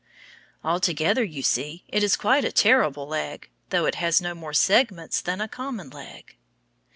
Altogether, you see, it is quite a terrible leg, though it has no more segments than a common leg.